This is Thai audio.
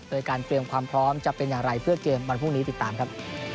โดยการเตรียมความพร้อมจะเป็นอย่างไรเพื่อเกมวันพรุ่งนี้ติดตามครับ